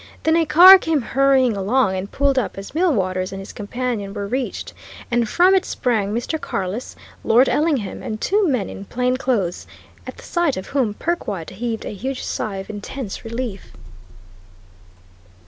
Then a car came hurrying along and pulled up as Millwaters and his companion were reached, and from it sprang Mr. Carless, Lord Ellingham and two men in plain clothes, at the sight of whom Perkwite heaved a huge sigh of intense relief.